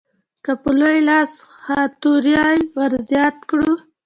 که په لوی لاس ها توری ورزیات کړو.